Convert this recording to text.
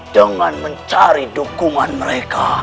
dengan mencari dukungan mereka